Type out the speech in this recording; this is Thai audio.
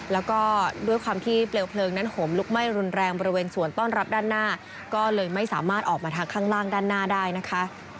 แล้วก็ด้วยความที่เปลวเพลิงนั้นโหมลุกไหม้รุนแรงบริเวณสวนต้อนรับด้านหน้าก็เลยไม่สามารถออกมาทางข้างล่างด้านหน้าได้นะคะ